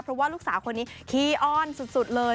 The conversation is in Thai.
เพราะว่าลูกสาวคนนี้ขี้อ้อนสุดเลย